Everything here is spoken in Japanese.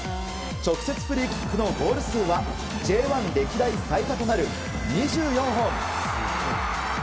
直接フリーキックのゴール数はＪ１歴代最多となる２４本。